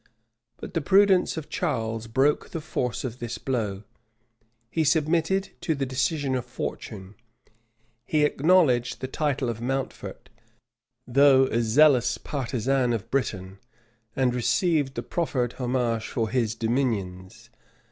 [*] But the prudence of Charles broke the force of this blow: he submitted to the decision of fortune: he acknowledged the title of Mountfort, though a zealous partisan of England; and received the proffered homage for his dominions.